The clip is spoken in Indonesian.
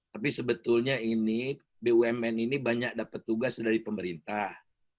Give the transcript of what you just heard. tapi sebetulnya ini bumn ini banyak dapat tugas dari pemerintah